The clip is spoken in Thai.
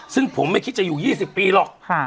ซึ่งผมไม่คิดจะอยู่๒๐ปีหรอก